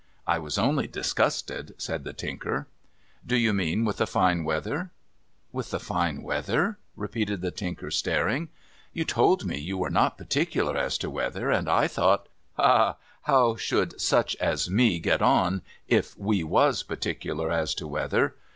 ' I was only disgusted,' said the Tinker. ' Do you mean with the fine weather ?'' With the fine weather ?' repeated the Tinker, staring. ' You told me you were not particular as to Aveather, and I thought '' Ha, ha ! How should such as me get on, if we was particular as to weather